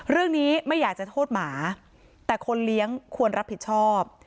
ไม่อยากจะโทษหมาแต่คนเลี้ยงควรรับผิดชอบ